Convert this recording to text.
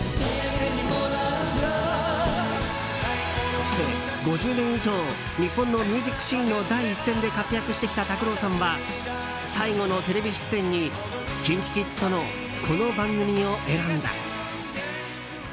そして５０年以上日本のミュージックシーンの第一線で活躍してきた拓郎さんは最後のテレビ出演にＫｉｎＫｉＫｉｄｓとのこの番組を選んだ。